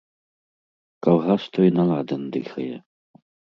Калгас той на ладан дыхае.